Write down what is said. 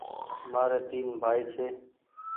ماريٚ تين بهائي ڇي